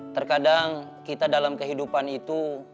terkadang kita dalam kehidupan itu